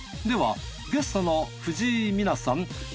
ではゲストの藤井美菜さん